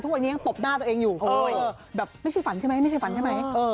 ทุกวันนี้ยังตบหน้าตัวเองอยู่แบบไม่ใช่ฝันใช่ไหมไม่ใช่ฝันใช่ไหม